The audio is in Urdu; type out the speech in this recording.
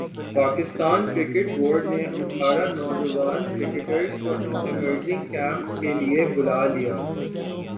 پاکستان کرکٹ بورڈ نے اٹھارہ نوجوان کرکٹرز کو ایمرجنگ کیمپ کیلئے بلا لیا